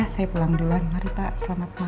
saya pulang dulu mari pak selamat malam